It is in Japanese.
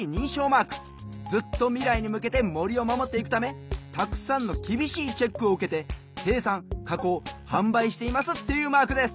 ずっとみらいにむけてもりをまもっていくためたくさんのきびしいチェックをうけてせいさんかこうはんばいしていますっていうマークです。